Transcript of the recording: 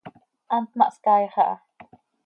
Hant ma hscaaix aha.